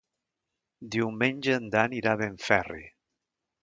Diumenge en Dan irà a Benferri.